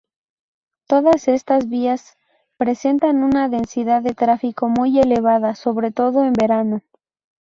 Todas estas vías presentan una densidad de tráfico muy elevada, sobre todo en verano.